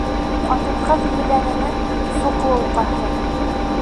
Ҡатын-ҡыҙ еләненең суҡлы уҡаһы.